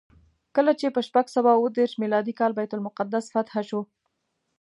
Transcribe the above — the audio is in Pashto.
کله چې په شپږ سوه اوه دېرش میلادي کال بیت المقدس فتحه شو.